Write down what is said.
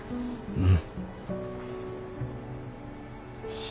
うん。